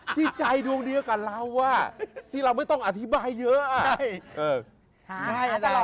ไทยดวงเนื้อกับเราที่เราไม่ต้องอธิบายเยอะ